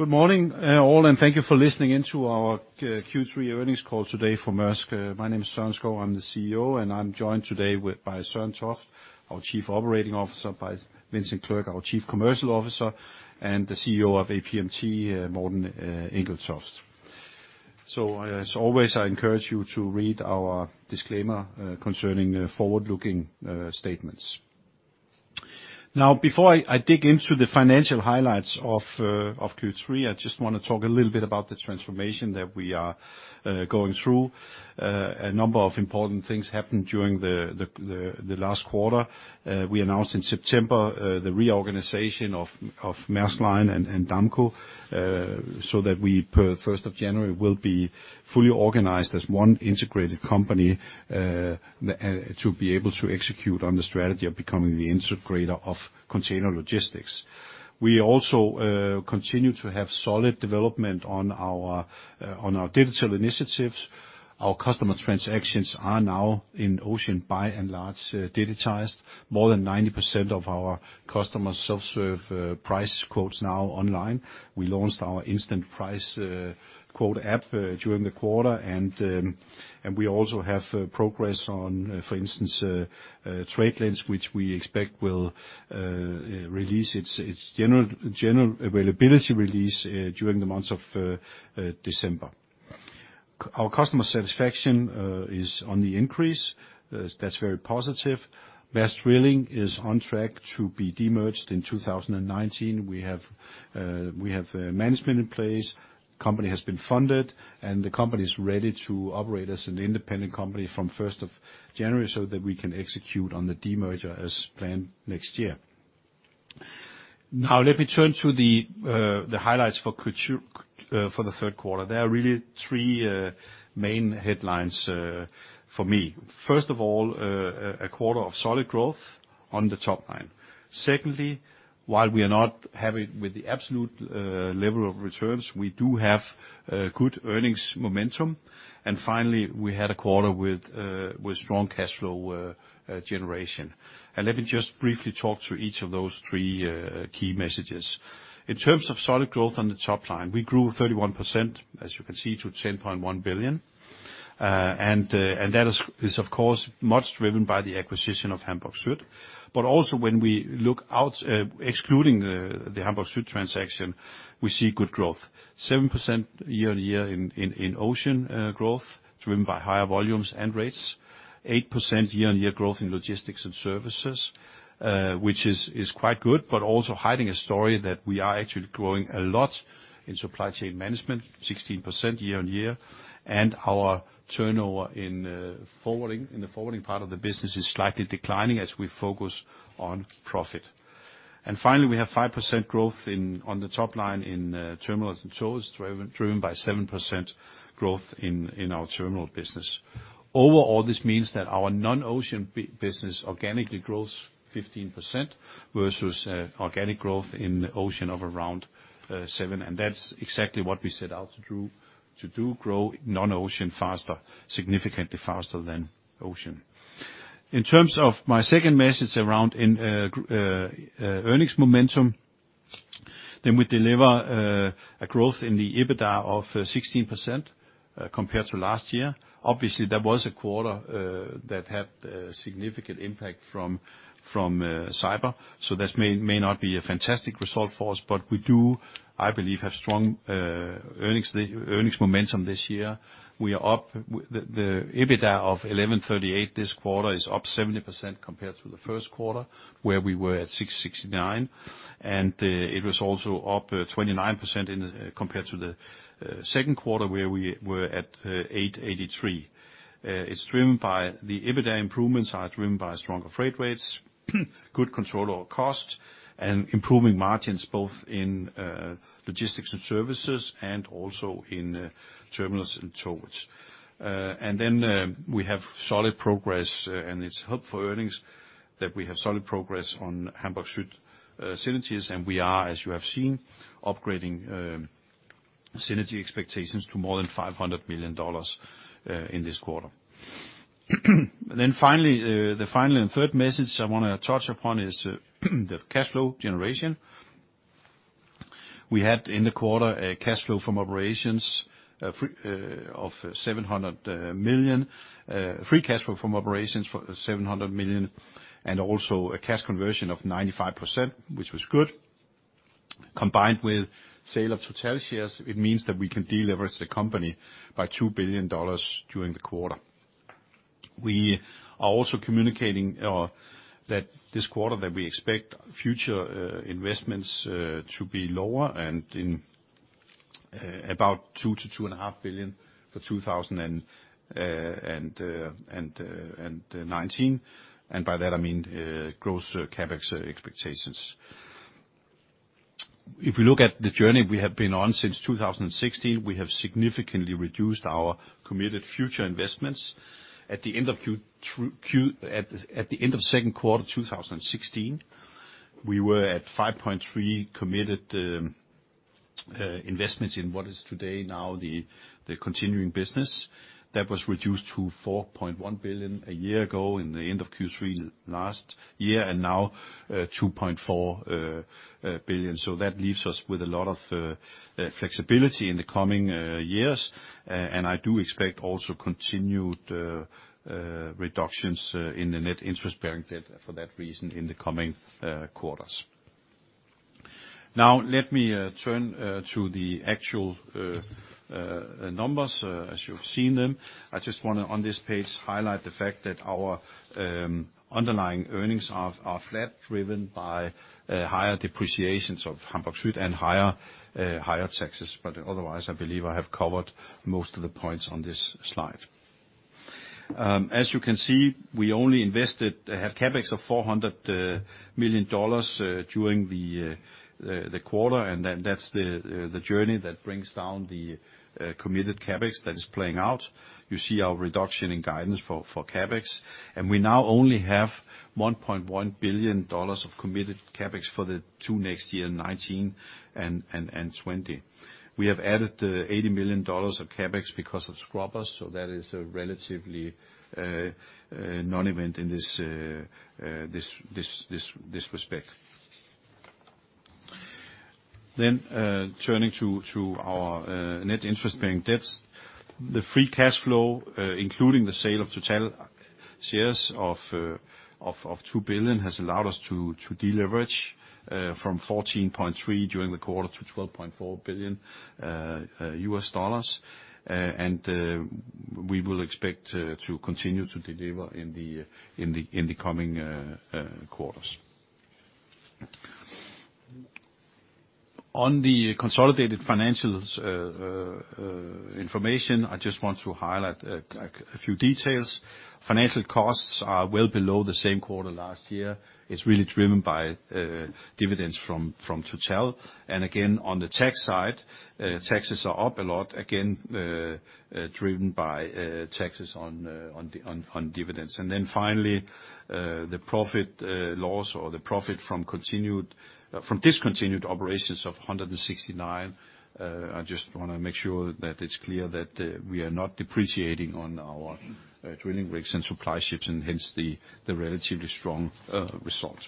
Good morning, all, and thank you for listening in to our Q3 earnings call today for Maersk. My name is Søren Skou, I'm the CEO, and I'm joined today by Søren Toft, our Chief Operating Officer, by Vincent Clerc, our Chief Commercial Officer, and the CEO of APM Terminals, Morten Engelstoft. As always, I encourage you to read our disclaimer concerning forward-looking statements. Now, before I dig into the financial highlights of Q3, I just want to talk a little bit about the transformation that we are going through. A number of important things happened during the last quarter. We announced in September the reorganization of Maersk Line and Damco so that we, per 1st of January, will be fully organized as one integrated company to be able to execute on the strategy of becoming the integrator of container logistics. We also continue to have solid development on our digital initiatives. Our customer transactions are now in ocean by and large, digitized. More than 90% of our customers self-serve price quotes now online. We launched our instant price quote app during the quarter, and we also have progress on, for instance TradeLens, which we expect will release its general availability release during the month of December. Our customer satisfaction is on the increase. That's very positive. Maersk Drilling is on track to be de-merged in 2019. We have management in place. Company has been funded, and the company's ready to operate as an independent company from 1st of January so that we can execute on the de-merger as planned next year. Now, let me turn to the highlights for the third quarter. There are really three main headlines for me. First of all, a quarter of solid growth on the top line. Secondly, while we are not happy with the absolute level of returns, we do have good earnings momentum. Finally, we had a quarter with strong cash flow generation. Let me just briefly talk to each of those three key messages. In terms of solid growth on the top line, we grew 31%, as you can see, to 10.1 billion. That is, of course, much driven by the acquisition of Hamburg Süd. Also when we look out, excluding the Hamburg Süd transaction, we see good growth, 7% year-on-year in ocean growth, driven by higher volumes and rates, 8% year-on-year growth in logistics and services, which is quite good, but also hiding a story that we are actually growing a lot in supply chain management, 16% year-on-year. Our turnover in the forwarding part of the business is slightly declining as we focus on profit. Finally, we have 5% growth on the top line in terminals and towers, driven by 7% growth in our terminal business. Overall, this means that our non-ocean business organically grows 15% versus organic growth in ocean of around 7%. That's exactly what we set out to do, grow non-ocean faster, significantly faster than ocean. In terms of my second message around earnings momentum, we deliver a growth in the EBITDA of 16% compared to last year. Obviously, that was a quarter that had a significant impact from cyber. That may not be a fantastic result for us, but we do, I believe, have strong earnings momentum this year. The EBITDA of 1,138 this quarter is up 70% compared to the first quarter where we were at 669, it was also up 29% compared to the second quarter where we were at 883. The EBITDA improvements are driven by stronger freight rates, good control over cost, and improving margins both in logistics and services and also in terminals and towage. Then we have solid progress, and it's helpful earnings that we have solid progress on Hamburg Süd synergies, we are, as you have seen, upgrading synergy expectations to more than $500 million in this quarter. The final and third message I want to touch upon is the cash flow generation. We had in the quarter a cash flow from operations of $700 million, free cash flow from operations for $700 million, also a cash conversion of 95%, which was good. Combined with sale of Total shares, it means that we can deleverage the company by $2 billion during the quarter. We are also communicating that this quarter that we expect future investments to be lower and in about $2 billion-$2.5 billion for 2019. By that I mean growth CapEx expectations. If we look at the journey we have been on since 2016, we have significantly reduced our committed future investments. At the end of second quarter 2016, we were at 5.3 committed investments in what is today now the continuing business. That was reduced to $4.1 billion a year ago in the end of Q3 last year, now $2.4 billion. That leaves us with a lot of flexibility in the coming years. I do expect also continued reductions in the net interest-bearing debt for that reason in the coming quarters. Let me turn to the actual numbers as you've seen them. I just want to, on this page, highlight the fact that our underlying earnings are flat, driven by higher depreciations of Hamburg Süd and higher taxes. Otherwise, I believe I have covered most of the points on this slide. As you can see, we only invested, have CapEx of $ 400 million during the quarter. That's the journey that brings down the committed CapEx that is playing out. You see our reduction in guidance for CapEx. We now only have $ 1.1 billion of committed CapEx for the two next year, 2019 and 2020. We have add $80 million of CapEx because of scrubbers, that is a relatively non-event in this respect. Turning to our net interest-bearing debt. The free cash flow, including the sale of Total shares of 2 billion, has allowed us to delever from $14.3 billion during the quarter to $12.4 billion. We will expect to continue to delever in the coming quarters. On the consolidated financials information, I just want to highlight a few details. Financial costs are well below the same quarter last year. It's really driven by dividends from Total. Again, on the tax side, taxes are up a lot. Again, driven by taxes on dividends. Finally, the profit loss or the profit from discontinued operations of 169. I just want to make sure that it's clear that we are not depreciating on our drilling rigs and supply ships, hence the relatively strong result.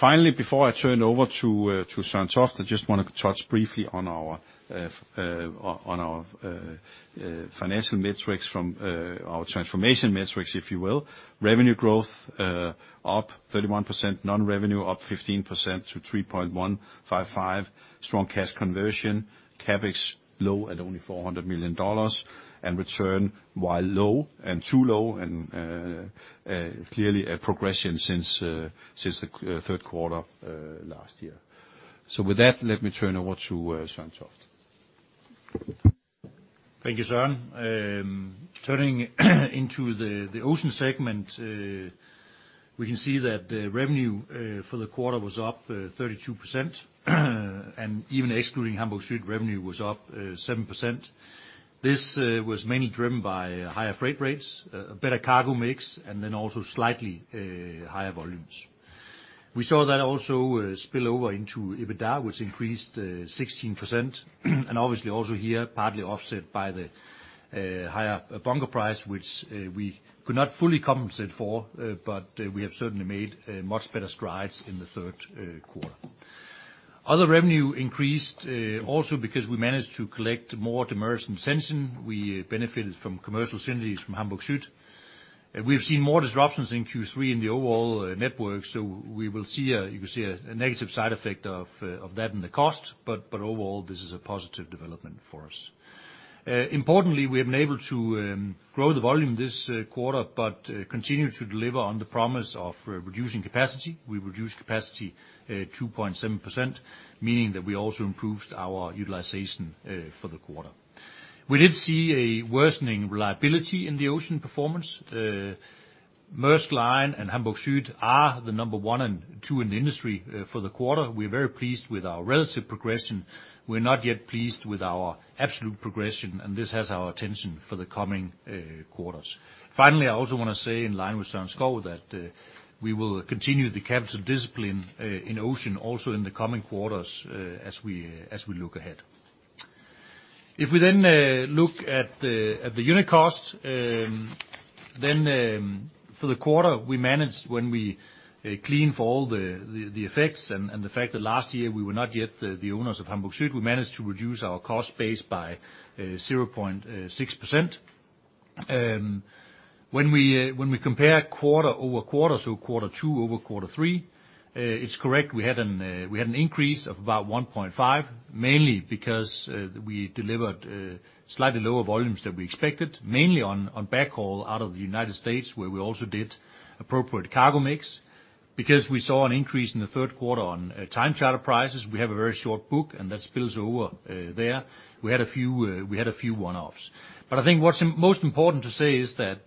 Finally, before I turn over to Søren Toft, I just want to touch briefly on our financial metrics from our transformation metrics, if you will. Revenue growth up 31%, non-revenue up 15% to 3.155. Strong cash conversion. CapEx low at only DKK 400 million. Return, while low and too low, clearly a progression since the third quarter last year. With that, let me turn over to Søren Toft. Thank you, Søren. Turning into the Ocean segment, we can see that the revenue for the quarter was up 32%. Even excluding Hamburg Süd, revenue was up 7%. This was mainly driven by higher freight rates, a better cargo mix, and slightly higher volumes. We saw that also spill over into EBITDA, which increased 16%. Obviously also here, partly offset by the higher bunker price, which we could not fully compensate for, but we have certainly made much better strides in the third quarter. Other revenue increased also because we managed to collect more demurrage and detention. We benefited from commercial synergies from Hamburg Süd. We've seen more disruptions in Q3 in the overall network, so you can see a negative side effect of that in the cost, but overall, this is a positive development for us. Importantly, we have been able to grow the volume this quarter, but continue to deliver on the promise of reducing capacity. We reduced capacity 2.7%, meaning that we also improved our utilization for the quarter. We did see a worsening reliability in the Ocean performance. Maersk Line and Hamburg Süd are the number 1 and 2 in the industry for the quarter. We're very pleased with our relative progression. We're not yet pleased with our absolute progression, and this has our attention for the coming quarters. Finally, I also want to say in line with Søren Skou that we will continue the capital discipline in Ocean also in the coming quarters as we look ahead. If we look at the unit cost, for the quarter, we managed, when we clean for all the effects and the fact that last year we were not yet the owners of Hamburg Süd, we managed to reduce our cost base by 0.6%. When we compare quarter-over-quarter, quarter 2 over quarter 3, it's correct, we had an increase of about 1.5%, mainly because we delivered slightly lower volumes than we expected, mainly on backhaul out of the U.S., where we also did appropriate cargo mix. We saw an increase in the third quarter on time charter prices, we have a very short book, and that spills over there. We had a few one-offs. I think what's most important to say is that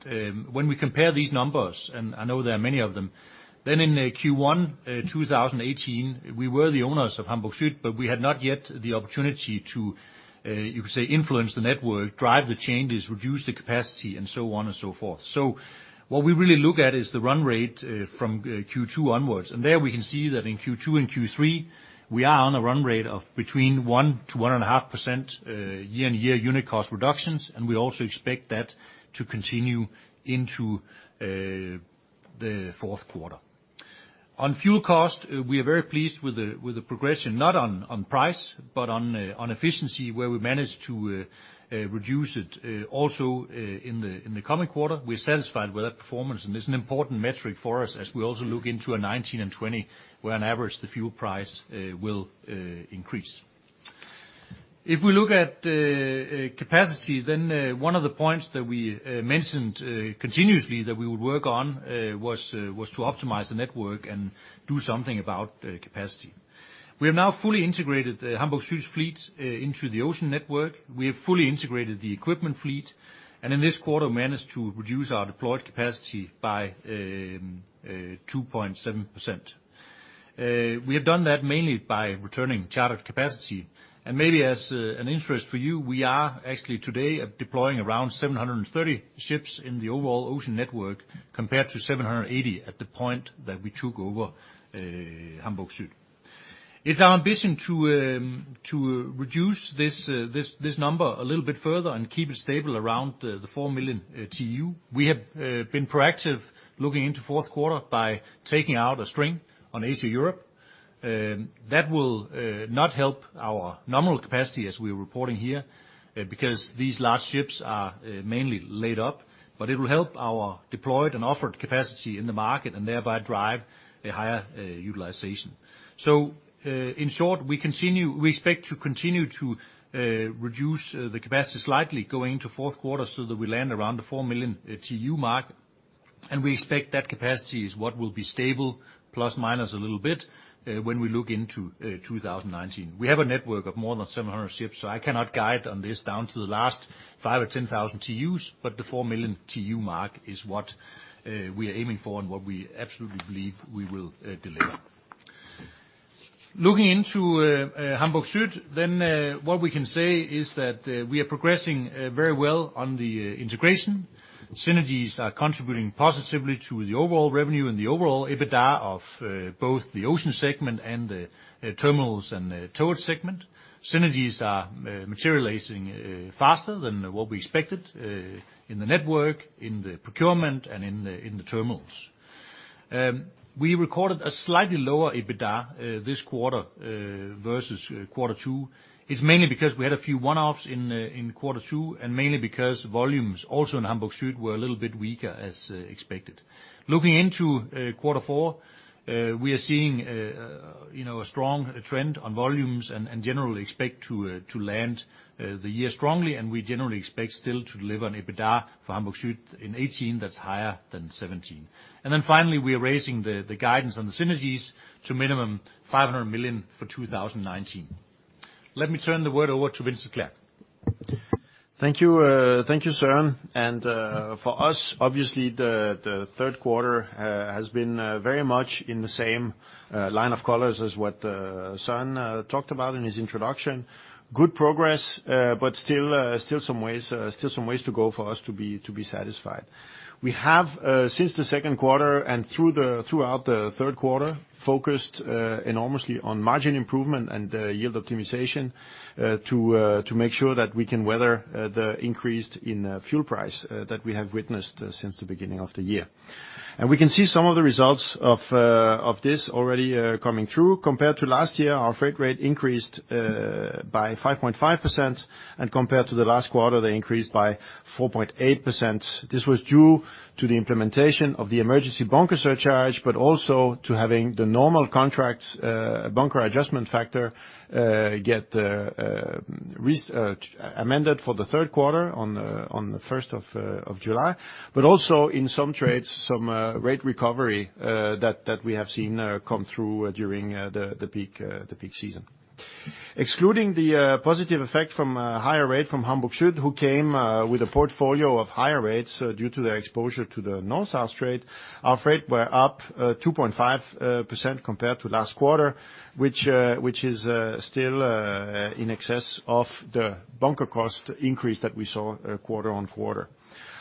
when we compare these numbers, and I know there are many of them, then in Q1 2018, we were the owners of Hamburg Süd, but we had not yet the opportunity to, you could say, influence the network, drive the changes, reduce the capacity, and so on and so forth. What we really look at is the run rate from Q2 onwards. There we can see that in Q2 and Q3, we are on a run rate of between 1%-1.5% year-on-year unit cost reductions, and we also expect that to continue into the fourth quarter. On fuel cost, we are very pleased with the progression, not on price, but on efficiency, where we managed to reduce it also in the coming quarter. We are satisfied with that performance, and it's an important metric for us as we also look into 2019 and 2020, where on average, the fuel price will increase. If we look at capacities, then one of the points that we mentioned continuously that we would work on was to optimize the network and do something about capacity. We have now fully integrated the Hamburg Süd fleet into the ocean network. We have fully integrated the equipment fleet, and in this quarter, managed to reduce our deployed capacity by 2.7%. We have done that mainly by returning chartered capacity. Maybe as an interest for you, we are actually today deploying around 730 ships in the overall ocean network, compared to 780 at the point that we took over Hamburg Süd. It's our ambition to reduce this number a little bit further and keep it stable around the 4 million TEU. We have been proactive looking into fourth quarter by taking out a string on Asia Europe. That will not help our nominal capacity as we are reporting here, because these large ships are mainly laid up, but it will help our deployed and offered capacity in the market, and thereby drive a higher utilization. In short, we expect to continue to reduce the capacity slightly going into fourth quarter, so that we land around the 4 million TEU mark, and we expect that capacity is what will be stable, plus minus a little bit, when we look into 2019. We have a network of more than 700 ships, so I cannot guide on this down to the last 5,000 or 10,000 TEUs, but the 4 million TEU mark is what we are aiming for and what we absolutely believe we will deliver. Looking into Hamburg Süd, what we can say is that we are progressing very well on the integration. Synergies are contributing positively to the overall revenue and the overall EBITDA of both the ocean segment and the terminals and the towage segment. Synergies are materializing faster than what we expected in the network, in the procurement, and in the terminals. We recorded a slightly lower EBITDA this quarter versus quarter two. It's mainly because we had a few one-offs in quarter two, and mainly because volumes also in Hamburg Süd were a little bit weaker as expected. Looking into quarter four, we are seeing a strong trend on volumes and generally expect to land the year strongly. We generally expect still to deliver an EBITDA for Hamburg Süd in 2018 that is higher than 2017. Finally, we are raising the guidance on the synergies to minimum 500 million for 2019. Let me turn the word over to Vincent Clerc. Thank you. Thank you, Søren. For us, obviously, the third quarter has been very much in the same line of colors as what Søren talked about in his introduction. Good progress, but still some ways to go for us to be satisfied. We have, since the second quarter and throughout the third quarter, focused enormously on margin improvement and yield optimization to make sure that we can weather the increase in fuel price that we have witnessed since the beginning of the year. We can see some of the results of this already coming through. Compared to last year, our freight rate increased by 5.5%. Compared to the last quarter, they increased by 4.8%. This was due to the implementation of the emergency bunker surcharge, also to having the normal contracts bunker adjustment factor get amended for the third quarter on the 1st of July. Also in some trades, some rate recovery that we have seen come through during the peak season. Excluding the positive effect from higher rate from Hamburg Süd, who came with a portfolio of higher rates due to their exposure to the North-South trade, our freight were up 2.5% compared to last quarter, which is still in excess of the bunker cost increase that we saw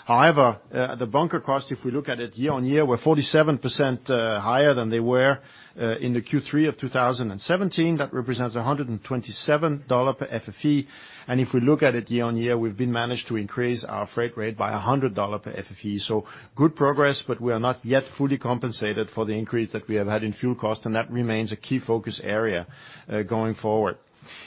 quarter-on-quarter. The bunker cost, if we look at it year-on-year, were 47% higher than they were in the Q3 2017. That represents $127 per FFE. If we look at it year-on-year, we have managed to increase our freight rate by DKK 100 per FFE. Good progress, but we are not yet fully compensated for the increase that we have had in fuel cost, and that remains a key focus area going forward.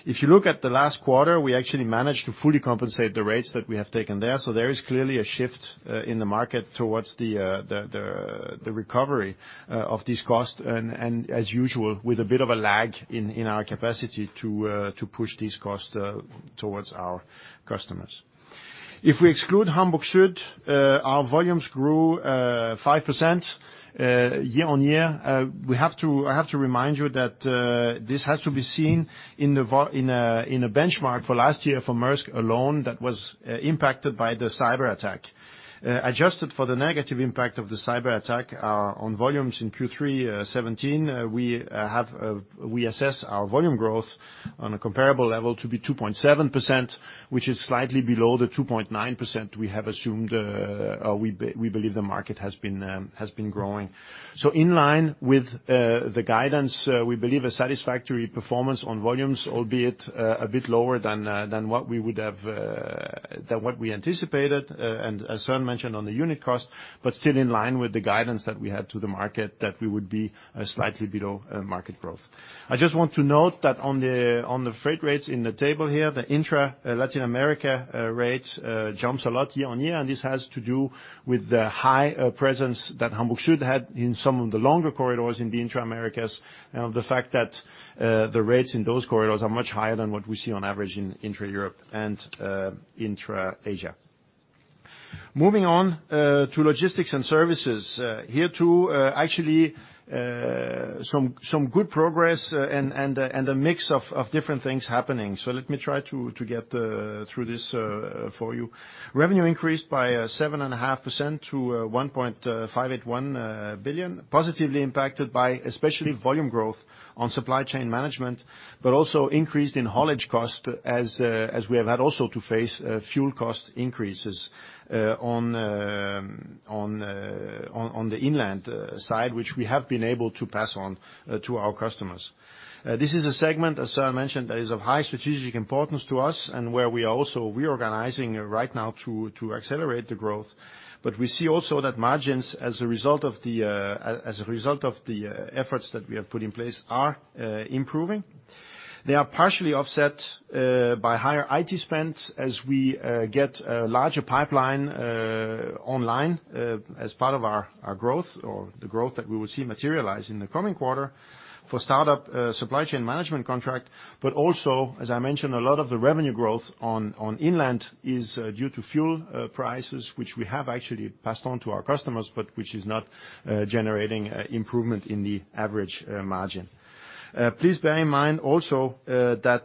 If you look at the last quarter, we actually managed to fully compensate the rates that we have taken there. There is clearly a shift in the market towards the recovery of this cost, as usual, with a bit of a lag in our capacity to push these costs towards our customers. If we exclude Hamburg Süd, our volumes grew 5% year-on-year. I have to remind you that this has to be seen in a benchmark for last year for Maersk alone, that was impacted by the cyber attack. Adjusted for the negative impact of the cyber attack on volumes in Q3 2017, we assess our volume growth on a comparable level to be 2.7%, which is slightly below the 2.9% we have assumed, or we believe the market has been growing. In line with the guidance, we believe a satisfactory performance on volumes, albeit a bit lower than what we anticipated, and as Søren mentioned on the unit cost, but still in line with the guidance that we had to the market that we would be slightly below market growth. I just want to note that on the freight rates in the table here, the intra-Latin America rate jumps a lot year-on-year, and this has to do with the high presence that Hamburg Süd had in some of the longer corridors in the intra-Americas, and of the fact that the rates in those corridors are much higher than what we see on average in intra-Europe and intra-Asia. Moving on to logistics and services. Here, too, actually some good progress and a mix of different things happening. Let me try to get through this for you. Revenue increased by 7.5% to $1.581 billion. Positively impacted by especially volume growth on supply chain management, but also increased in haulage cost, as we have had also to face fuel cost increases on the inland side, which we have been able to pass on to our customers. This is a segment, as Søren mentioned, that is of high strategic importance to us and where we are also reorganizing right now to accelerate the growth. We see also that margins, as a result of the efforts that we have put in place, are improving. They are partially offset by higher IT spend as we get a larger pipeline online as part of our growth or the growth that we will see materialize in the coming quarter for startup supply chain management contract, but also, as I mentioned, a lot of the revenue growth on inland is due to fuel prices, which we have actually passed on to our customers, but which is not generating improvement in the average margin. Please bear in mind also that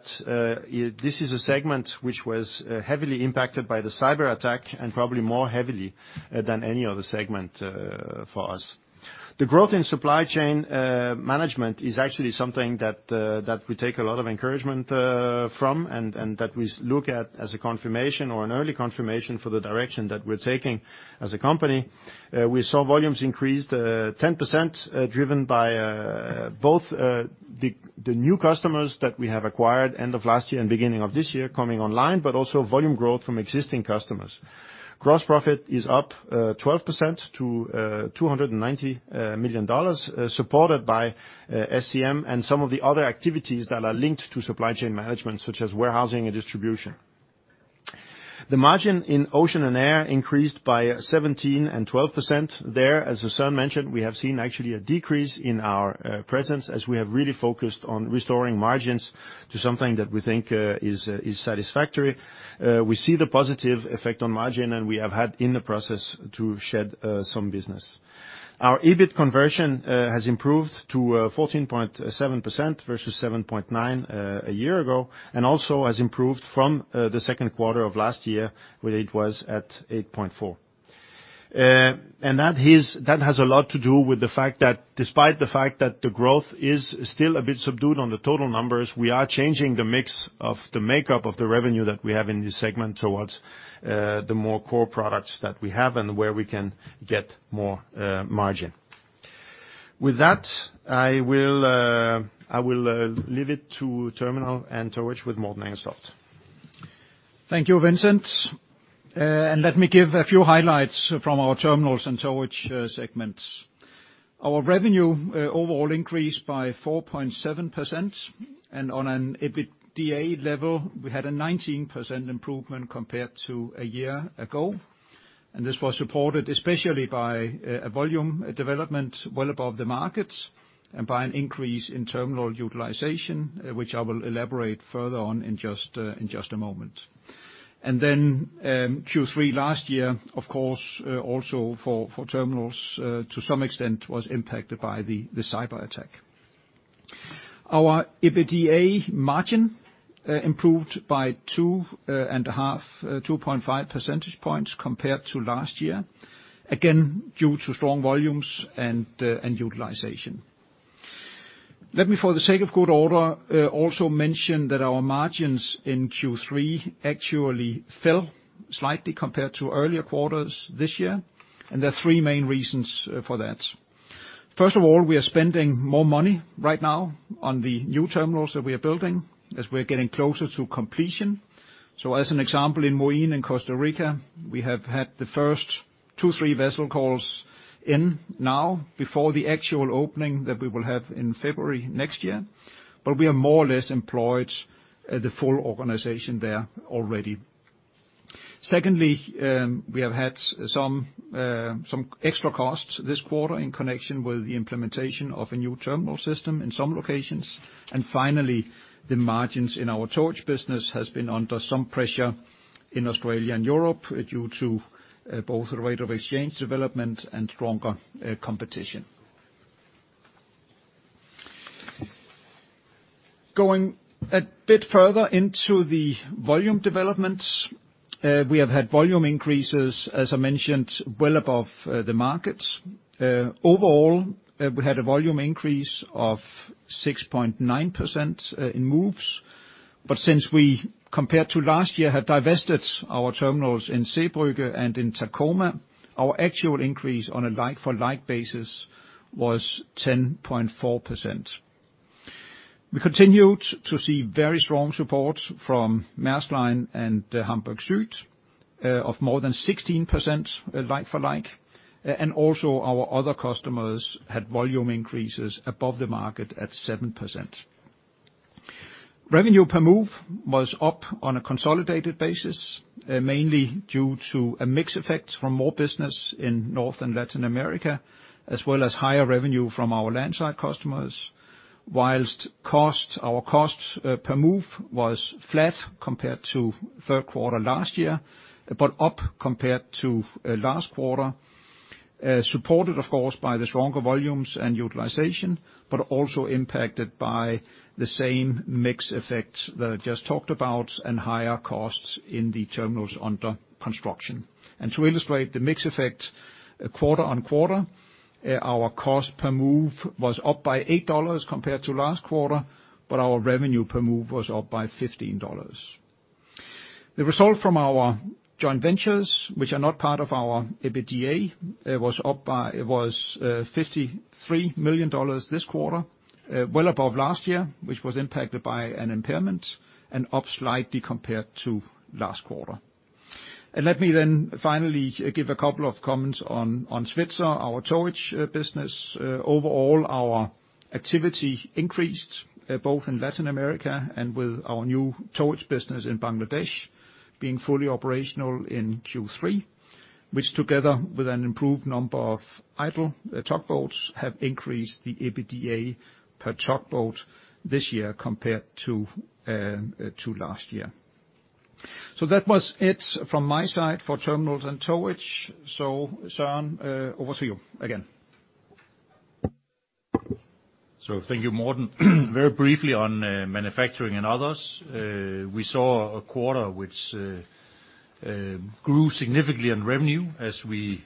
this is a segment which was heavily impacted by the cyber attack and probably more heavily than any other segment for us. The growth in supply chain management is actually something that we take a lot of encouragement from and that we look at as a confirmation or an early confirmation for the direction that we're taking as a company. We saw volumes increase 10%, driven by both the new customers that we have acquired end of last year and beginning of this year coming online, but also volume growth from existing customers. Gross profit is up 12% to $290 million, supported by SCM and some of the other activities that are linked to supply chain management, such as warehousing and distribution. The margin in ocean and air increased by 17% and 12% there. As Søren mentioned, we have seen actually a decrease in our presence as we have really focused on restoring margins to something that we think is satisfactory. We see the positive effect on margin, and we have had in the process to shed some business. Our EBIT conversion has improved to 14.7% versus 7.9% a year ago, and also has improved from the second quarter of last year, where it was at 8.4%. That has a lot to do with the fact that despite the fact that the growth is still a bit subdued on the total numbers, we are changing the mix of the makeup of the revenue that we have in this segment towards the more core products that we have and where we can get more margin. With that, I will leave it to Terminal and Towage with Morten Engelstoft. Thank you, Vincent. Let me give a few highlights from our Terminals and Towage segments. Our revenue overall increased by 4.7%, and on an EBITDA level, we had a 19% improvement compared to a year ago. This was supported especially by a volume development well above the markets and by an increase in terminal utilization, which I will elaborate further on in just a moment. Then Q3 last year, of course, also for terminals, to some extent, was impacted by the cyber attack. Our EBITDA margin improved by 2.5 percentage points compared to last year, again, due to strong volumes and utilization. Let me, for the sake of good order, also mention that our margins in Q3 actually fell slightly compared to earlier quarters this year, and there are three main reasons for that. First of all, we are spending more money right now on the new terminals that we are building as we're getting closer to completion. As an example, in Moín in Costa Rica, we have had the first two, three vessel calls in now before the actual opening that we will have in February next year, but we have more or less employed the full organization there already. Secondly, we have had some extra costs this quarter in connection with the implementation of a new terminal system in some locations. Finally, the margins in our towage business has been under some pressure in Australia and Europe due to both the rate of exchange development and stronger competition. Going a bit further into the volume developments, we have had volume increases, as I mentioned, well above the markets. Overall, we had a volume increase of 6.9% in moves, but since we, compared to last year, have divested our terminals in Zeebrugge and in Tacoma, our actual increase on a like-for-like basis was 10.4%. We continued to see very strong support from Maersk Line and Hamburg Süd of more than 16% like for like, and also our other customers had volume increases above the market at 7%. Revenue per move was up on a consolidated basis, mainly due to a mix effect from more business in North and Latin America, as well as higher revenue from our landside customers. Whilst our costs per move was flat compared to third quarter last year, but up compared to last quarter. Supported, of course, by the stronger volumes and utilization, but also impacted by the same mix effects that I just talked about, and higher costs in the terminals under construction. To illustrate the mix effect quarter-on-quarter, our cost per move was up by $8 compared to last quarter, but our revenue per move was up by $15. The result from our joint ventures, which are not part of our EBITDA, it was DKK 53 million this quarter. Above last year, which was impacted by an impairment, and up slightly compared to last quarter. Let me finally give a couple of comments on Svitzer, our towage business. Overall, our activity increased both in Latin America and with our new towage business in Bangladesh, being fully operational in Q3, which together with an improved number of idle tugboats, have increased the EBITDA per tugboat this year compared to last year. That was it from my side for terminals and towage. Søren, over to you again. Thank you, Morten. Very briefly on manufacturing and others. We saw a quarter which grew significantly on revenue as we,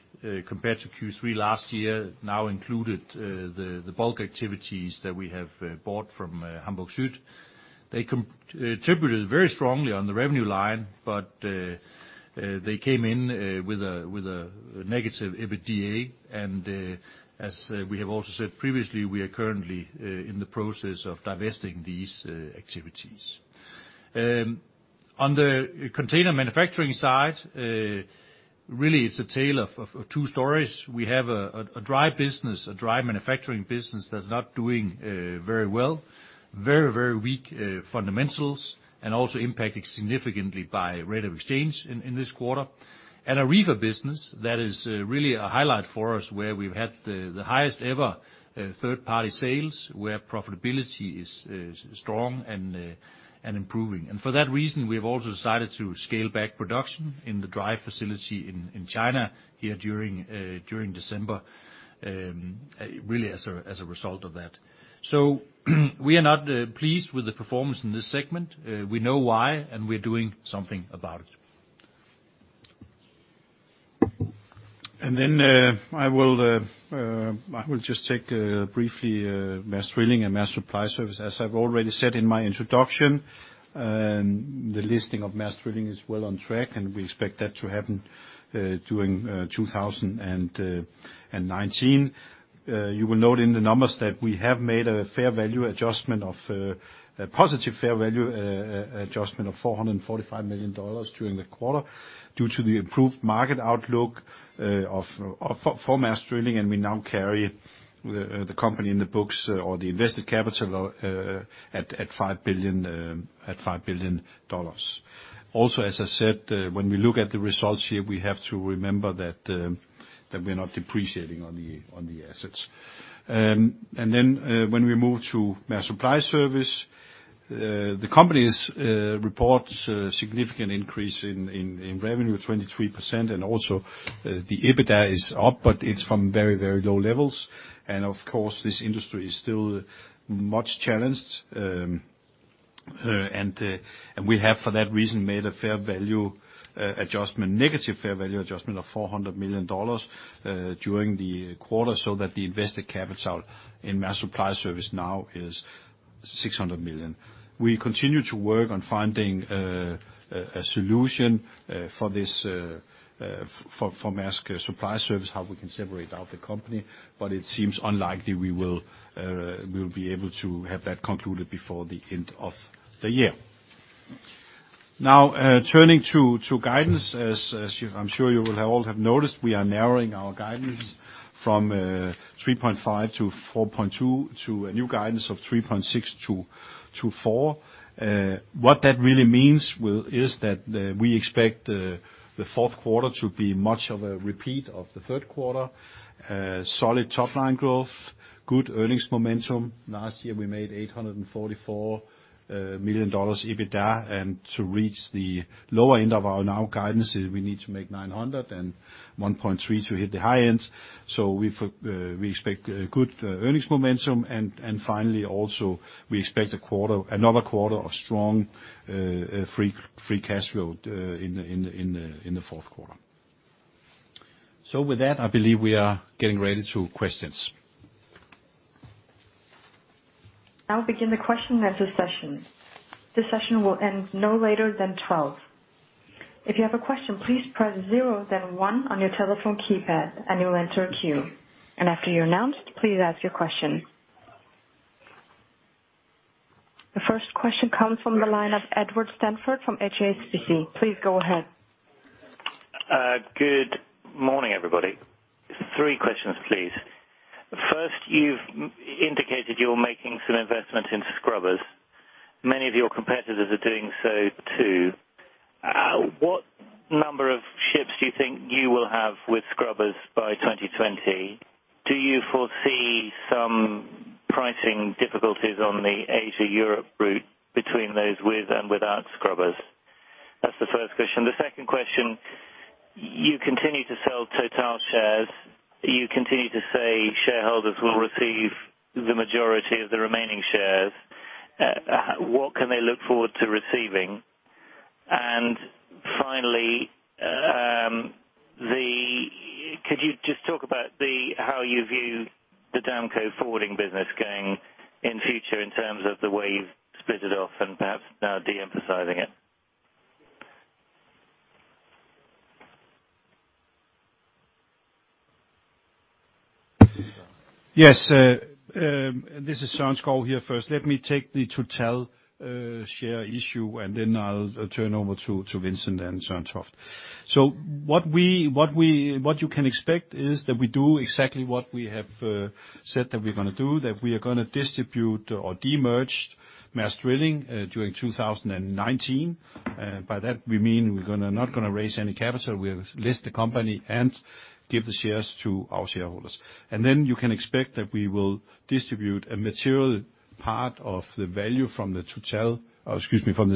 compared to Q3 last year, now included the bulk activities that we have bought from Hamburg Süd. They contributed very strongly on the revenue line, but they came in with a negative EBITDA. As we have also said previously, we are currently in the process of divesting these activities. On the container manufacturing side, it's a tale of two stories. We have a dry business, a dry manufacturing business that's not doing very well. Very, very weak fundamentals, and also impacted significantly by rate of exchange in this quarter. A reefer business that is really a highlight for us, where we've had the highest-ever third-party sales, where profitability is strong and improving. For that reason, we have also decided to scale back production in the dry facility in China here during December, as a result of that. We are not pleased with the performance in this segment. We know why, and we're doing something about it. I will just take briefly Maersk Drilling and Maersk Supply Service. As I've already said in my introduction, the listing of Maersk Drilling is well on track, and we expect that to happen during 2019. You will note in the numbers that we have made a positive fair value adjustment of $445 million during the quarter due to the improved market outlook for Maersk Drilling, and we now carry the company in the books, or the invested capital at $5 billion. As I said, when we look at the results here, we have to remember that we're not depreciating on the assets. When we move to Maersk Supply Service, the company's report significant increase in revenue of 23%, and also the EBITDA is up, but it's from very, very low levels. Of course, this industry is still much challenged. We have, for that reason, made a negative fair value adjustment of $400 million during the quarter, so that the invested capital in Maersk Supply Service now is $600 million. We continue to work on finding a solution for Maersk Supply Service, how we can separate out the company. It seems unlikely we will be able to have that concluded before the end of the year. Now, turning to guidance, as I'm sure you will all have noticed, we are narrowing our guidance from 3.5-4.2 to a new guidance of 3.6-4. What that really means is that we expect the fourth quarter to be much of a repeat of the third quarter. Solid top-line growth, good earnings momentum. Last year, we made $844 million EBITDA, to reach the lower end of our now guidance, we need to make 900, and 1.3 to hit the high end. We expect good earnings momentum, finally, also, we expect another quarter of strong free cash flow in the fourth quarter. With that, I believe we are getting ready to questions. I'll begin the question and answer session. This session will end no later than 12:00 P.M. If you have a question, please press zero, then one on your telephone keypad and you'll enter a queue. After you're announced, please ask your question. The first question comes from the line of Edward Stanford from HSBC. Please go ahead. Good morning, everybody. Three questions, please. First, you've indicated you're making some investments in scrubbers. Many of your competitors are doing so, too. What number of ships do you think you will have with scrubbers by 2020? Do you foresee some pricing difficulties on the Asia-Europe route between those with and without scrubbers? That's the first question. The second question, you continue to sell Total shares. You continue to say shareholders will receive the majority of the remaining shares. What can they look forward to receiving? Finally, could you just talk about how you view the Damco forwarding business going in future in terms of the way you've split it off and perhaps now de-emphasizing it? Yes, this is Søren Skou here. First, let me take the Total share issue, and then I'll turn over to Vincent and Søren Toft. What you can expect is that we do exactly what we have said that we're going to do, that we are going to distribute or de-merge Maersk Drilling during 2019. By that, we mean we're not going to raise any capital. We'll list the company and give the shares to our shareholders. Then you can expect that we will distribute a material part of the value from the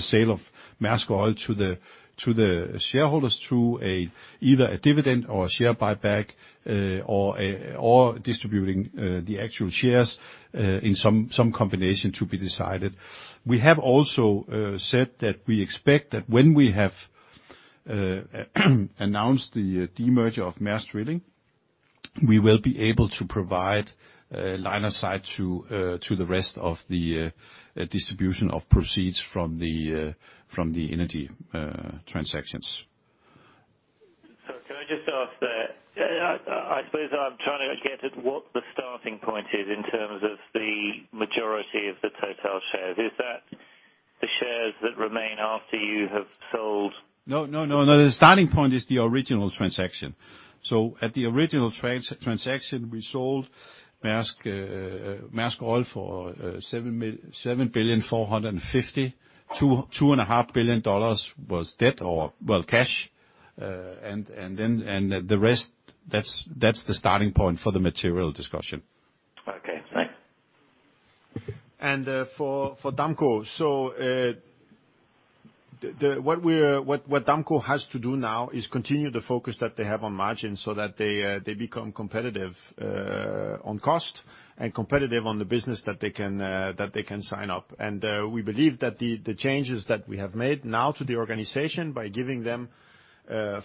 sale of Maersk Oil to the shareholders through either a dividend or a share buyback, or distributing the actual shares in some combination to be decided. We have also said that we expect that when we have announced the de-merger of Maersk Drilling, we will be able to provide line of sight to the rest of the distribution of proceeds from the energy transactions. Can I just ask there, I suppose I'm trying to get at what the starting point is in terms of the majority of the Total shares. Is that the shares that remain after you have sold? No, the starting point is the original transaction. At the original transaction, we sold Maersk Oil for $7.45 billion. $2.5 billion was debt, or, well, cash. The rest, that's the starting point for the material discussion. Okay, thanks. For Damco, what Damco has to do now is continue the focus that they have on margins so that they become competitive on cost and competitive on the business that they can sign up. We believe that the changes that we have made now to the organization, by giving them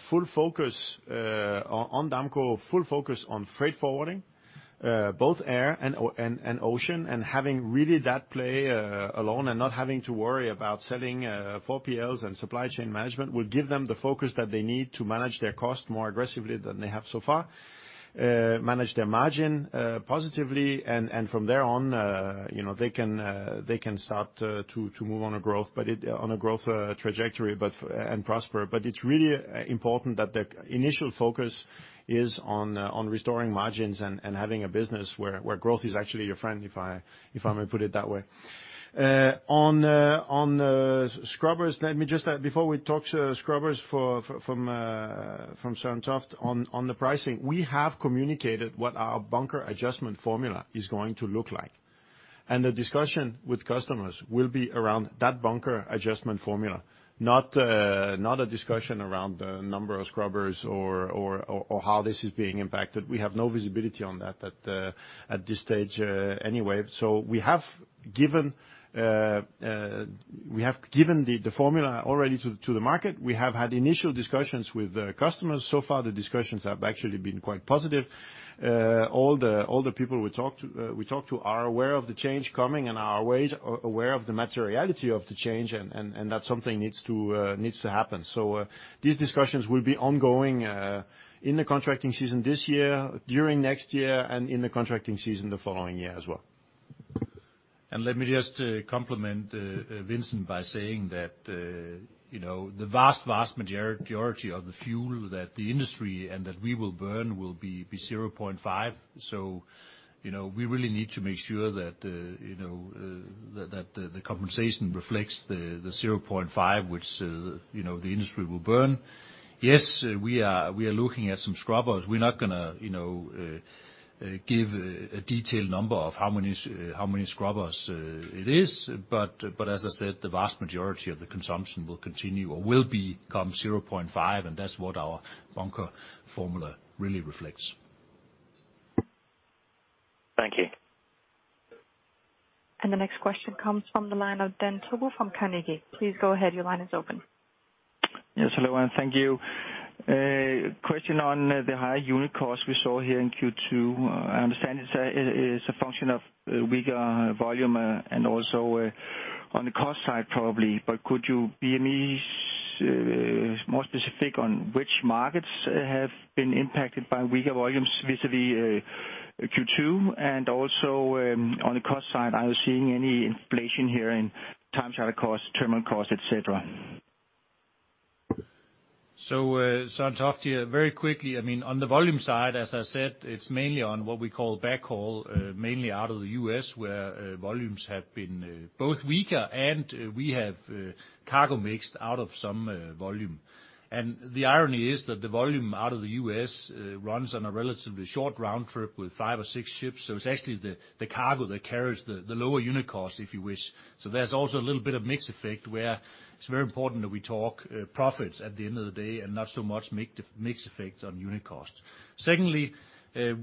full focus on Damco, full focus on freight forwarding, both air and ocean, and having really that play alone and not having to worry about selling 4PLs and supply chain management, will give them the focus that they need to manage their cost more aggressively than they have so far, manage their margin positively and from there on, they can start to move on a growth trajectory and prosper. It's really important that the initial focus is on restoring margins and having a business where growth is actually your friend, if I may put it that way. On scrubbers, let me just, before we talk scrubbers from Søren Toft, on the pricing, we have communicated what our bunker adjustment formula is going to look like. The discussion with customers will be around that bunker adjustment formula, not a discussion around the number of scrubbers or how this is being impacted. We have no visibility on that at this stage anyway. We have given the formula already to the market. We have had initial discussions with customers. Far, the discussions have actually been quite positive. All the people we talked to are aware of the change coming and are aware of the materiality of the change and that something needs to happen. These discussions will be ongoing in the contracting season this year, during next year, and in the contracting season the following year as well. Let me just complement Vincent by saying that the vast majority of the fuel that the industry and that we will burn will be 0.5. We really need to make sure that the compensation reflects the 0.5, which the industry will burn. Yes, we are looking at some scrubbers. We're not going to give a detailed number of how many scrubbers it is. As I said, the vast majority of the consumption will continue or will become 0.5, and that's what our bunker formula really reflects. Thank you. The next question comes from the line of Dan Togo from Carnegie. Please go ahead, your line is open. Yes, hello, and thank you. Question on the high unit cost we saw here in Q2. I understand it is a function of weaker volume and also on the cost side, probably, but could you be more specific on which markets have been impacted by weaker volumes vis-a-vis Q2? Also, on the cost side, are you seeing any inflation here in time charter costs, terminal costs, et cetera? Søren Toft here. Very quickly, on the volume side, as I said, it's mainly on what we call backhaul, mainly out of the U.S., where volumes have been both weaker and we have cargo mixed out of some volume. The irony is that the volume out of the U.S. runs on a relatively short round trip with five or six ships. It's actually the cargo that carries the lower unit cost, if you wish. There's also a little bit of mix effect where it's very important that we talk profits at the end of the day and not so much mix effects on unit cost. Secondly,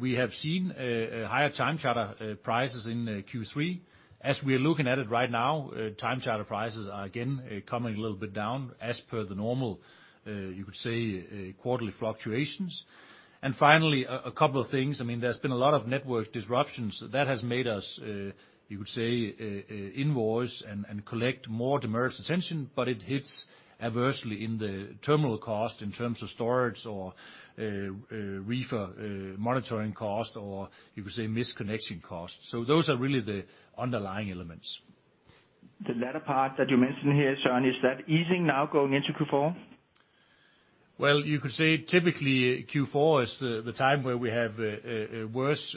we have seen higher time charter prices in Q3. As we are looking at it right now, time charter prices are again coming a little bit down as per the normal, you could say, quarterly fluctuations. Finally, a couple of things. There's been a lot of network disruptions that have made us, you could say, invoice and collect more demurrage and detention, but it hits adversely in the terminal cost in terms of storage or reefer monitoring cost or you could say misconnection costs. Those are really the underlying elements. The latter part that you mentioned here, Søren, is that easing now going into Q4? Well, you could say typically Q4 is the time where we have worse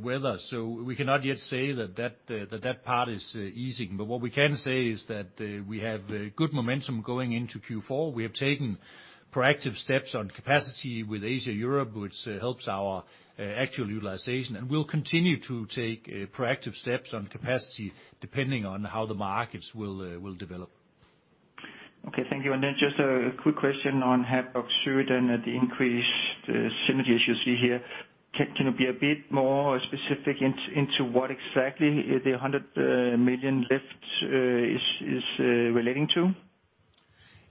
weather. We cannot yet say that that part is easing. What we can say is that we have good momentum going into Q4. We have taken proactive steps on capacity with Asia and Europe, which helps our actual utilization, and we'll continue to take proactive steps on capacity depending on how the markets will develop. Okay, thank you. Then just a quick question on Hamburg Süd and the increased synergies you see here. Can you be a bit more specific into what exactly the 100 million lift is relating to?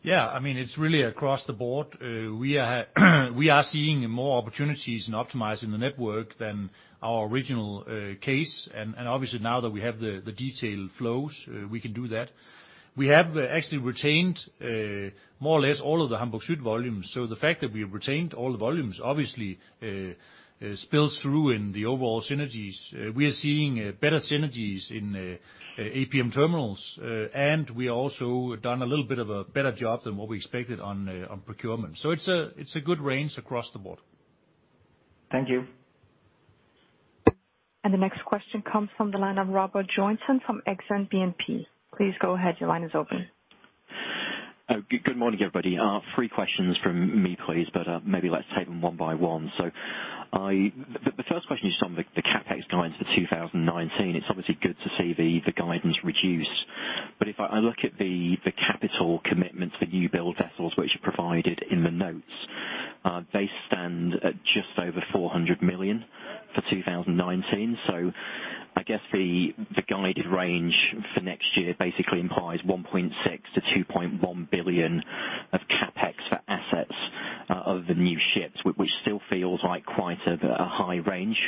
Yeah. It's really across the board. We are seeing more opportunities in optimizing the network than our original case. Obviously now that we have the detailed flows, we can do that. We have actually retained more or less all of the Hamburg Süd volumes. The fact that we retained all the volumes obviously spills through in the overall synergies. We are seeing better synergies in APM Terminals, and we also have done a little bit of a better job than what we expected on procurement. It's a good range across the board. Thank you. The next question comes from the line of Robert Joynson from Exane BNP. Please go ahead. Your line is open. Good morning, everybody. Three questions from me, please, maybe let's take them one by one. The first question is on the CapEx guidance for 2019. It is obviously good to see the guidance reduce. If I look at the capital commitments for new build vessels which are provided in the notes, they stand at just over 400 million for 2019. I guess the guided range for next year basically implies $1.6 billion-$2.1 billion of CapEx for assets other than new ships, which still feels like quite a high range.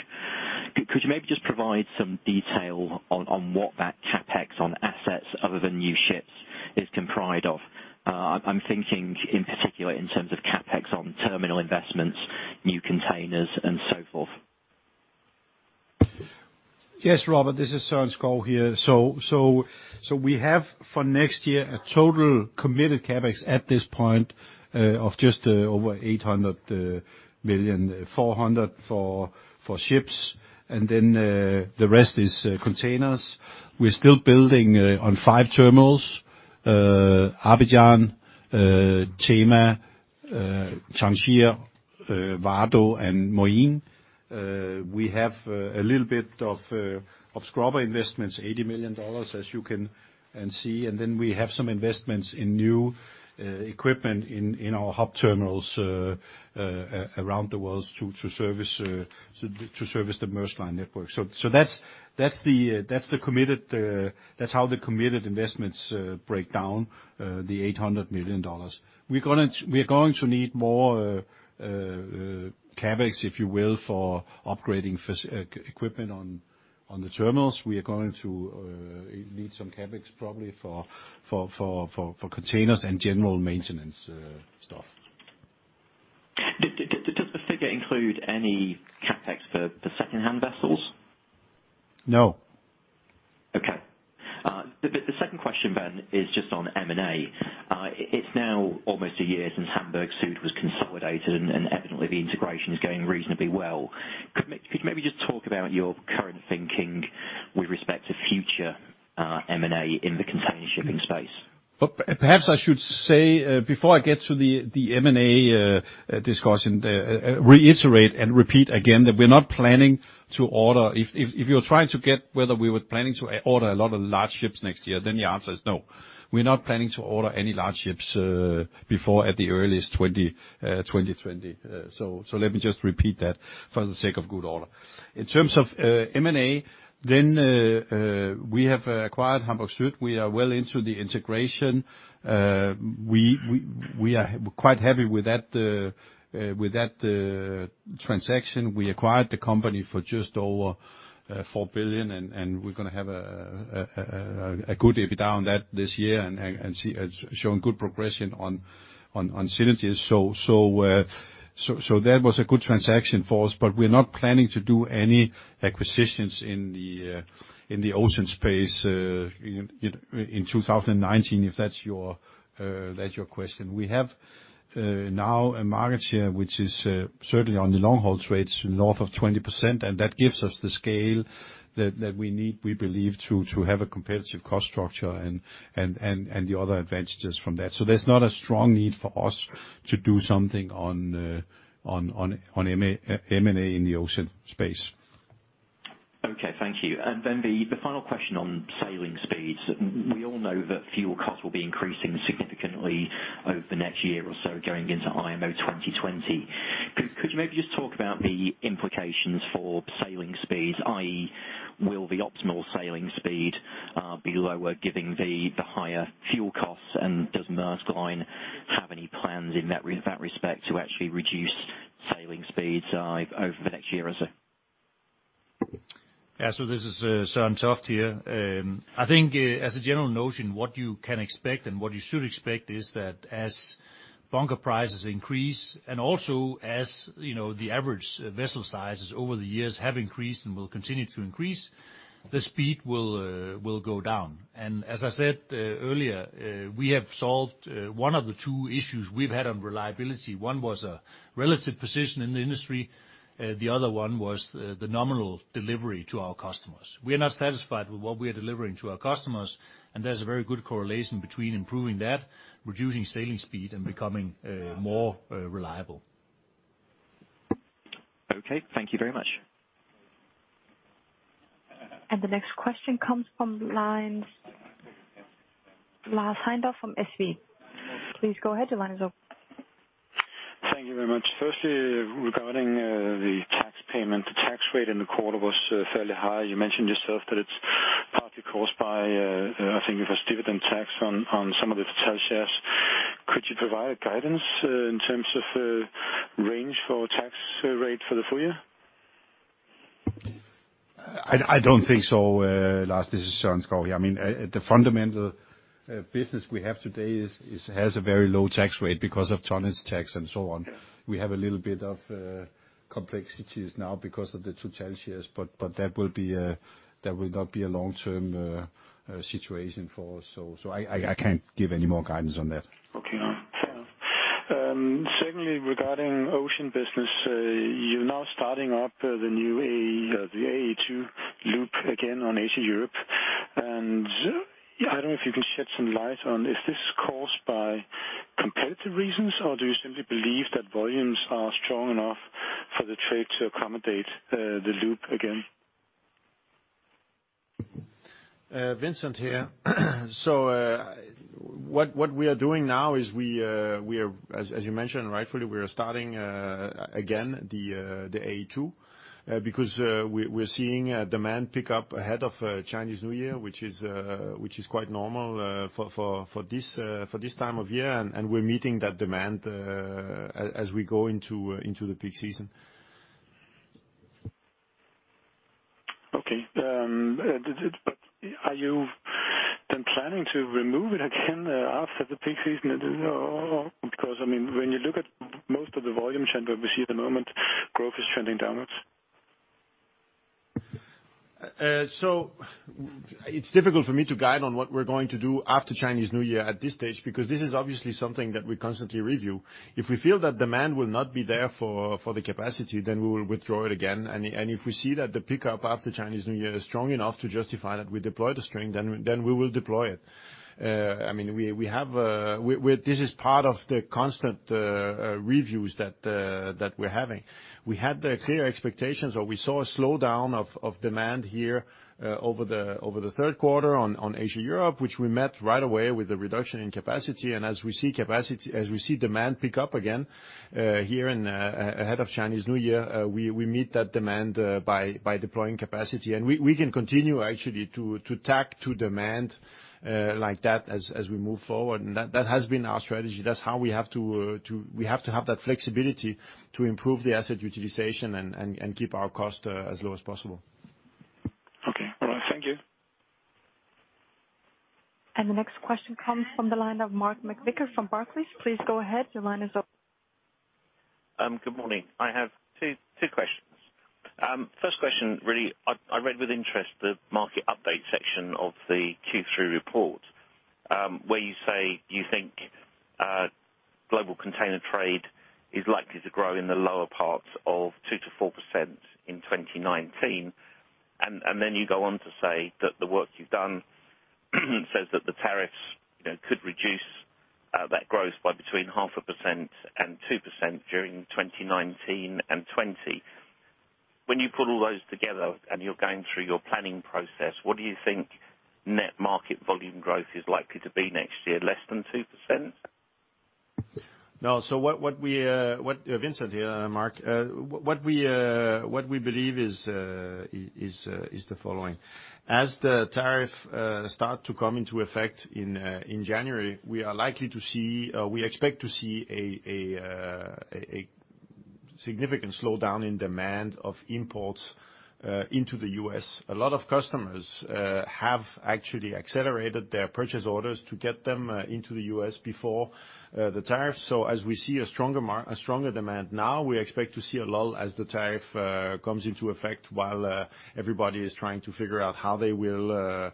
Could you maybe just provide some detail on what that CapEx on assets other than new ships is comprised of? I am thinking in particular in terms of CapEx on terminal investments, new containers and so forth. Yes, Robert, this is Søren Skou here. We have for next year a total committed CapEx at this point of just over 800 million. 400 million for ships, the rest is containers. We are still building on five terminals, Abidjan, Tema, Tangier, Vado and Moín. We have a little bit of scrubber investments, DKK 80 million, as you can see. We have some investments in new equipment in our hub terminals around the world to service the Maersk Line network. That is how the committed investments break down, the DKK 800 million. We are going to need more CapEx, if you will, for upgrading equipment on the terminals. We are going to need some CapEx probably for containers and general maintenance stuff. Does the figure include any CapEx for secondhand vessels? No. Okay. The second question is just on M&A. It is now almost a year since Hamburg Süd was consolidated and evidently the integration is going reasonably well. Could you maybe just talk about your current thinking with respect to future M&A in the container shipping space? Perhaps I should say, before I get to the M&A discussion, reiterate and repeat again that we're not planning to order. If you're trying to get whether we were planning to order a lot of large ships next year, the answer is no. We're not planning to order any large ships before at the earliest 2020. Let me just repeat that for the sake of good order. In terms of M&A, we have acquired Hamburg Süd. We are well into the integration. We are quite happy with that transaction. We acquired the company for just over $4 billion, and we're going to have a good EBITDA on that this year and showing good progression on synergies. That was a good transaction for us, but we're not planning to do any acquisitions in the ocean space in 2019, if that's your question. We have now a market share, which is certainly on the long haul trades north of 20%, and that gives us the scale that we need, we believe, to have a competitive cost structure and the other advantages from that. There's not a strong need for us to do something on M&A in the ocean space. Okay, thank you. The final question on sailing speeds. We all know that fuel costs will be increasing significantly over the next year or so going into IMO 2020. Could you maybe just talk about the implications for sailing speeds, i.e., will the optimal sailing speed be lower given the higher fuel costs? Does Maersk Line have any plans in that respect to actually reduce sailing speeds over the next year or so? Yeah. This is Søren Toft here. I think as a general notion, what you can expect and what you should expect is that as bunker prices increase, also as the average vessel sizes over the years have increased and will continue to increase, the speed will go down. As I said earlier, we have solved one of the two issues we've had on reliability. One was a relative position in the industry, the other one was the nominal delivery to our customers. We are not satisfied with what we are delivering to our customers, there's a very good correlation between improving that, reducing sailing speed, and becoming more reliable. Okay. Thank you very much. The next question comes from Lars Heindorff from SEB. Please go ahead, your line is open. Thank you very much. Firstly, regarding the tax payment, the tax rate in the quarter was fairly high. You mentioned yourself that it's partly caused by, I think it was dividend tax on some of the Total shares. Could you provide guidance in terms of range for tax rate for the full year? I don't think so, Lars. This is Søren Skou here. The fundamental business we have today has a very low tax rate because of tonnage tax and so on. Yeah. We have a little bit of complexities now because of the Total shares, but that will not be a long-term situation for us. I can't give any more guidance on that. Okay. Secondly, regarding ocean business, you're now starting up the new AE2 loop again on Asia Europe. I don't know if you can shed some light on, is this caused by competitive reasons, or do you simply believe that volumes are strong enough for the trade to accommodate the loop again? Vincent here. What we are doing now is, as you mentioned, rightfully, we are starting again the AE2, because we're seeing demand pick up ahead of Chinese New Year, which is quite normal for this time of year, and we're meeting that demand as we go into the peak season. Okay. Are you then planning to remove it again after the peak season? When you look at most of the volume trend that we see at the moment, growth is trending downwards. It's difficult for me to guide on what we're going to do after Chinese New Year at this stage, because this is obviously something that we constantly review. If we feel that demand will not be there for the capacity, then we will withdraw it again. If we see that the pickup after Chinese New Year is strong enough to justify that we deploy the string, then we will deploy it. This is part of the constant reviews that we're having. We had the clear expectations where we saw a slowdown of demand here over the third quarter on Asia-Europe, which we met right away with the reduction in capacity. As we see demand pick up again here ahead of Chinese New Year, we meet that demand by deploying capacity. We can continue actually to tack to demand like that as we move forward, that has been our strategy. We have to have that flexibility to improve the asset utilization and keep our cost as low as possible. Okay. All right. Thank you. The next question comes from the line of Mark McVicar from Barclays. Please go ahead. Your line is open. Good morning. I have two questions. First question, really, I read with interest the market update section of the Q3 report, where you say you think global container trade is likely to grow in the lower parts of 2%-4% in 2019. You go on to say that the work you've done says that the tariffs could reduce that growth by between 0.5% and 2% during 2019 and 2020. When you put all those together and you're going through your planning process, what do you think net market volume growth is likely to be next year, less than 2%? No. Vincent here, Mark. What we believe is the following: as the tariff start to come into effect in January, we expect to see a significant slowdown in demand of imports into the U.S. A lot of customers have actually accelerated their purchase orders to get them into the U.S. before the tariff. As we see a stronger demand now, we expect to see a lull as the tariff comes into effect while everybody is trying to figure out how they will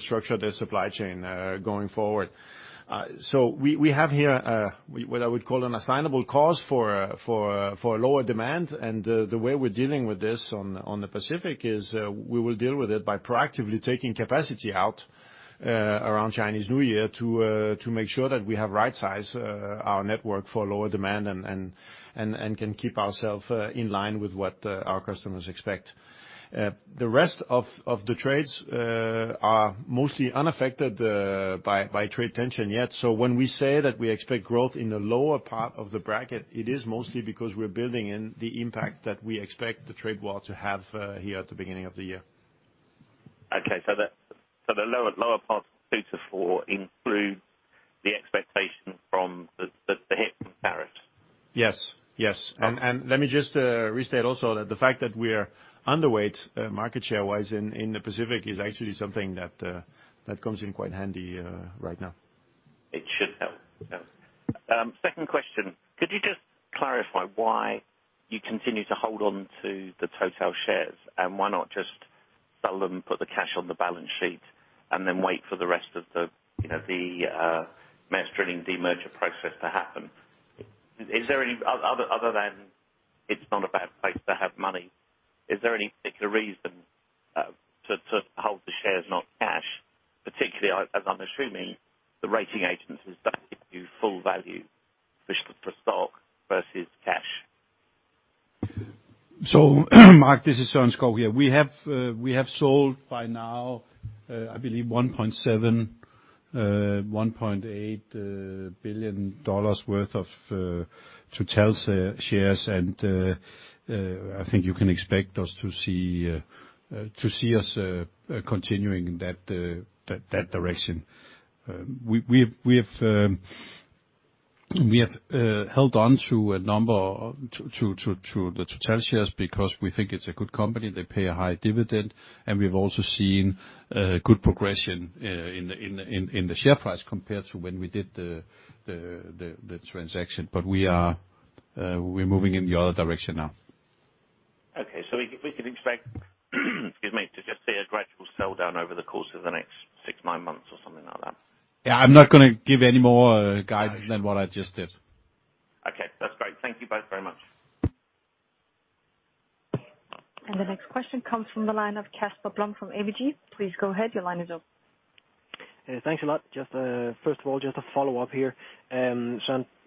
structure their supply chain going forward. We have here, what I would call an assignable cause for lower demand. The way we're dealing with this on the Pacific is, we will deal with it by proactively taking capacity out around Chinese New Year to make sure that we have right-sized our network for lower demand, and can keep ourself in line with what our customers expect. The rest of the trades are mostly unaffected by trade tension yet. When we say that we expect growth in the lower part of the bracket, it is mostly because we're building in the impact that we expect the trade war to have here at the beginning of the year. Okay. The lower part of 2%-4% include the expectation from the hit from tariff? Yes. Let me just restate also that the fact that we are underweight, market share-wise in the Pacific is actually something that comes in quite handy right now. It should help. Yeah. Second question. Could you just clarify why you continue to hold on to the Total shares, and why not just sell them, put the cash on the balance sheet, and then wait for the rest of the Maersk Drilling de-merger process to happen? Other than it is not a bad place to have money, is there any particular reason to hold the shares, not cash? Particularly, as I am assuming the rating agencies don't give you full value, especially for stock versus cash. Mark, this is Søren Skou here. We have sold by now, I believe $1.7 billion-$1.8 billion worth of Total shares. I think you can expect to see us continuing that direction. We have held on to a number of the Total shares because we think it is a good company. They pay a high dividend, and we have also seen good progression in the share price compared to when we did the transaction. We are moving in the other direction now. Okay. We could expect, excuse me, to just see a gradual sell down over the course of the next six, nine months or something like that. Yeah. I'm not going to give any more guidance than what I just did. Okay. That's great. Thank you both very much. The next question comes from the line of Kasper Blom from ABG. Please go ahead. Your line is open. Thanks a lot. First of all, just to follow up here.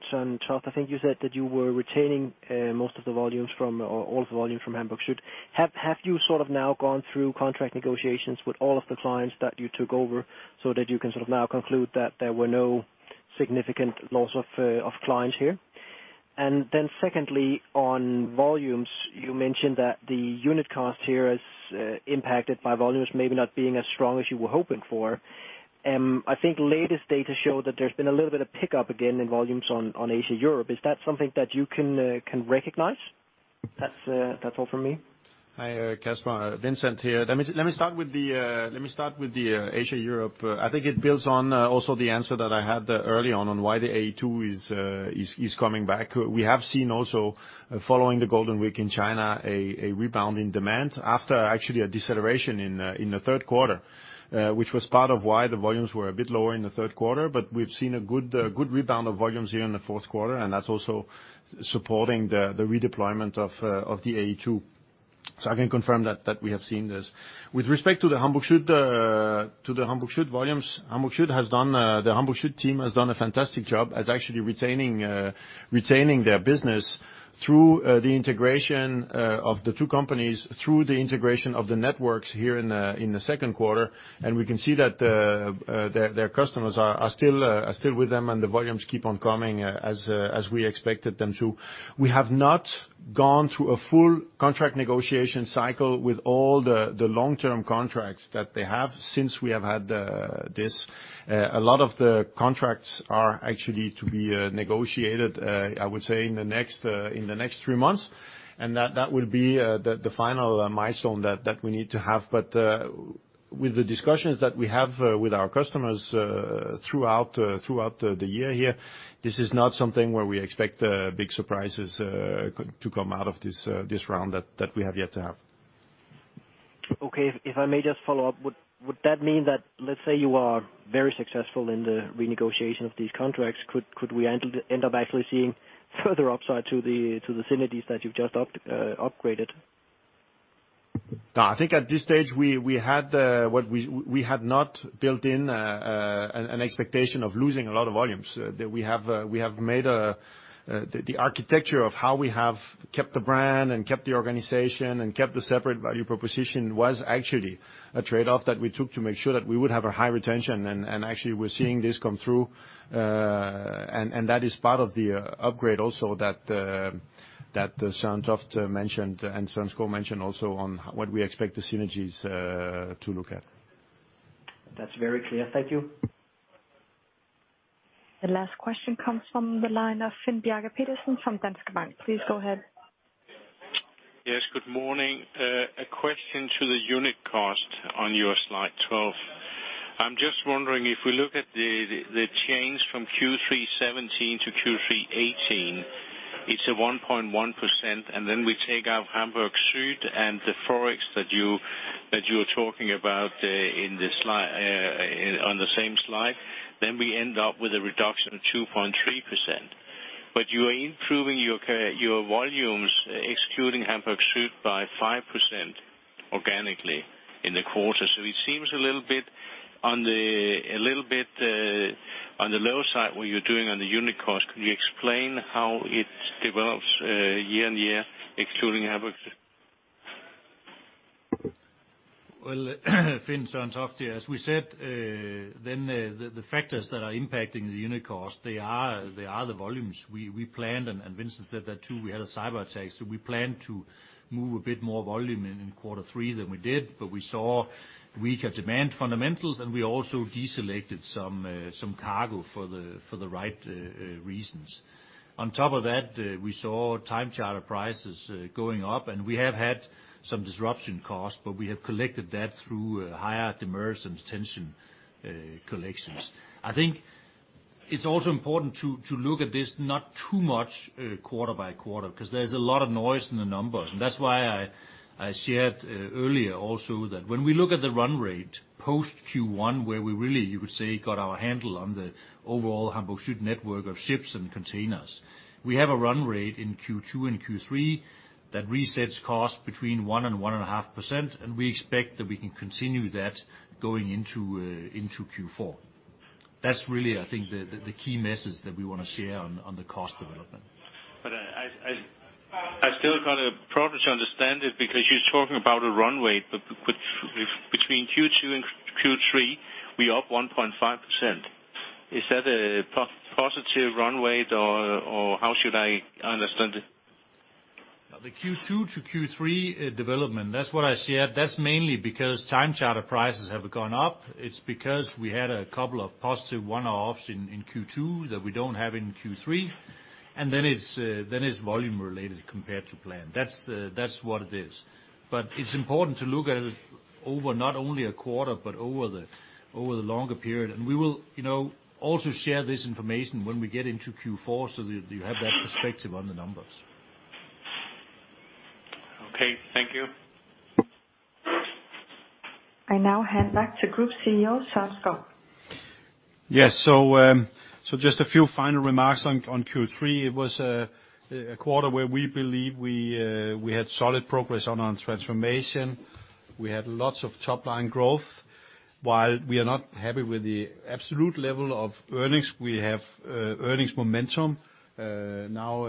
Søren Toft, I think you said that you were retaining most of the volumes from, or all of the volume from Hamburg Süd. Have you sort of now gone through contract negotiations with all of the clients that you took over, so that you can sort of now conclude that there were no significant loss of clients here? Then secondly, on volumes, you mentioned that the unit cost here is impacted by volumes, maybe not being as strong as you were hoping for. I think latest data show that there's been a little bit of pickup again in volumes on Asia Europe. Is that something that you can recognize? That's all from me. Hi, Kasper. Vincent here. Let me start with the Asia Europe. I think it builds on also the answer that I had early on why the AE2 is coming back. We have seen also following the Golden Week in China, a rebound in demand after actually a deceleration in the third quarter, which was part of why the volumes were a bit lower in the third quarter. We've seen a good rebound of volumes here in the fourth quarter, and that's also supporting the redeployment of the AE2. I can confirm that we have seen this. With respect to the Hamburg Süd volumes, the Hamburg Süd team has done a fantastic job as actually retaining their business through the integration of the two companies, through the integration of the networks here in the second quarter. We can see that their customers are still with them, and the volumes keep on coming as we expected them to. We have not gone through a full contract negotiation cycle with all the long-term contracts that they have since we have had this. A lot of the contracts are actually to be negotiated, I would say, in the next three months. That would be the final milestone that we need to have. With the discussions that we have with our customers throughout the year here, this is not something where we expect big surprises to come out of this round that we have yet to have. Okay. If I may just follow up. Would that mean that, let's say you are very successful in the renegotiation of these contracts, could we end up actually seeing further upside to the synergies that you've just upgraded? No, I think at this stage, we had not built in an expectation of losing a lot of volumes. We have made the architecture of how we have kept the brand and kept the organization and kept the separate value proposition, was actually a trade-off that we took to make sure that we would have a high retention. Actually, we're seeing this come through, and that is part of the upgrade also that Søren Toft mentioned, and Søren Skou mentioned also on what we expect the synergies to look at. That's very clear. Thank you. The last question comes from the line of Finn Bjarke Petersen from Danske Bank. Please go ahead. Yes, good morning. A question to the unit cost on your slide 12. I'm just wondering, if we look at the change from Q3 2017 to Q3 2018, it's a 1.1%, and then we take out Hamburg Süd and the ForEx that you are talking about on the same slide, then we end up with a reduction of 2.3%. You are improving your volumes, excluding Hamburg Süd, by 5% organically in the quarter. It seems a little bit on the lower side, what you're doing on the unit cost. Could you explain how it develops year-on-year, excluding Hamburg? Well, Finn, Søren Toft here. As we said, then the factors that are impacting the unit cost, they are the volumes. We planned, and Vincent Clerc said that, too, we had a cyber attack, so we planned to move a bit more volume in quarter three than we did, but we saw weaker demand fundamentals, and we also deselected some cargo for the right reasons. On top of that, we saw time charter prices going up, and we have had some disruption cost, but we have collected that through higher demurrage and detention collections. I think it's also important to look at this not too much quarter by quarter, because there's a lot of noise in the numbers. That's why I shared earlier also that when we look at the run rate post Q1, where we really, you could say, got our handle on the overall Hamburg Süd network of ships and containers. We have a run rate in Q2 and Q3 that resets cost between 1% and 1.5%, and we expect that we can continue that going into Q4. That's really, I think, the key message that we want to share on the cost development. I still got a problem to understand it, because you're talking about a run rate, but between Q2 and Q3, we're up 1.5%. Is that a positive run rate, or how should I understand it? The Q2 to Q3 development, that's what I said, that's mainly because time charter prices have gone up. It's because we had a couple of positive one-offs in Q2 that we don't have in Q3, then it's volume related compared to plan. That's what it is. It's important to look at it over not only a quarter, but over the longer period. We will also share this information when we get into Q4 so that you have that perspective on the numbers. Okay, thank you. I now hand back to Group CEO, Søren Skou. Yes. Just a few final remarks on Q3. It was a quarter where we believe we had solid progress on our transformation. We had lots of top line growth. While we are not happy with the absolute level of earnings, we have earnings momentum now,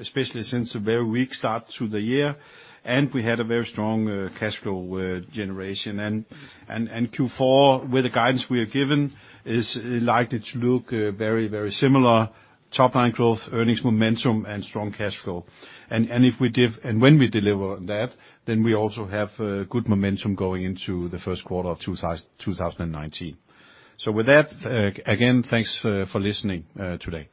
especially since a very weak start to the year, and we had a very strong cash flow generation. Q4, with the guidance we are given, is likely to look very similar. Top line growth, earnings momentum, and strong cash flow. When we deliver that, then we also have good momentum going into the first quarter of 2019. With that, again, thanks for listening today.